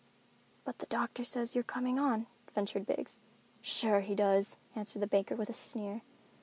"But the doctor says you're coming on," ventured Biggs. "Sure he does," answered the banker with a sneer.